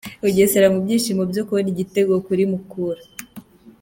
Bugesera mu byishimo byo kubona igitego kuri Mukura.